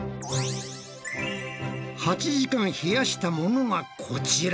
８時間冷やしたものがこちら。